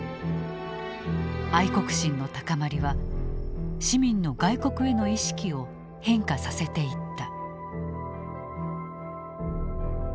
愛国心の高まりは市民の外国への意識を変化させていった。